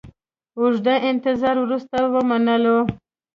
اوږده انتظار وروسته ومنلو.